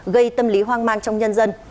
gây tâm lý hoang mang trong nhân dân